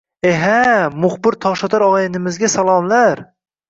E-ha, muxbir toshotar og`aynimizga salomlar